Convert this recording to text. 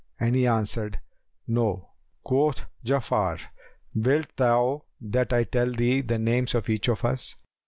and he answered, "No." Quoth Ja'afar, "Wilt thou that I tell thee the names of each of us?"